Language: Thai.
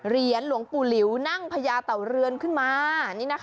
หลวงปู่หลิวนั่งพญาเต่าเรือนขึ้นมา